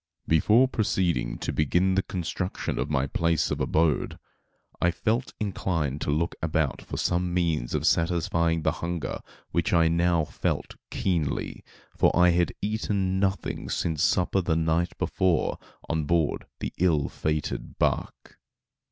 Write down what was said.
Before proceeding to begin the construction of my place of abode, I felt inclined to look about for some means of satisfying the hunger which I now felt keenly, for I had eaten nothing since supper the night before on board the ill fated bark.